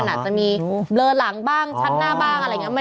อาจจะมีเบลอหลังบ้างชัดหน้าบ้างอะไรอย่างนี้